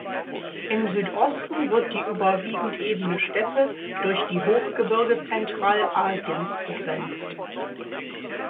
Im Südosten wird die überwiegend ebene Steppe durch die Hochgebirge Zentralasiens begrenzt.